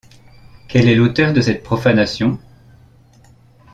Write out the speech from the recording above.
Quel est l’auteur de cette profanation?